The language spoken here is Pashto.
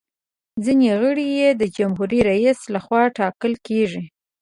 ځینې غړي یې د جمهور رئیس لخوا ټاکل کیږي.